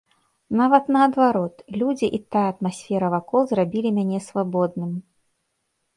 Нават, наадварот, людзі і тая атмасфера вакол зрабілі мяне свабодным.